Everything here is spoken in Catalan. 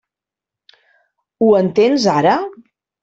Ho entens ara?